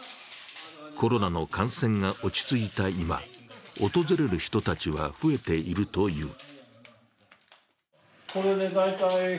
コロナの感染が落ち着いた今、訪れる人たちは増えているという。